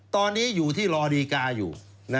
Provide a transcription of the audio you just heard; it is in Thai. ตอนนี้อยู่ที่รอดีกาอยู่